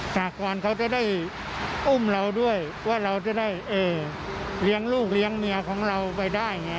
สากรเขาจะได้อุ้มเราด้วยว่าเราจะได้เลี้ยงลูกเลี้ยงเมียของเราไปได้ไง